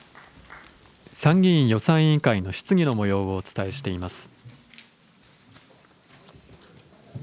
参議院予算委員会の質疑のもようをお伝えしています。